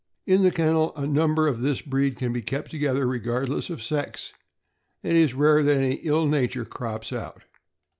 In the kennel, a number of this breed can be kept together regardless of sex, and it is rare that any ill nature crops out.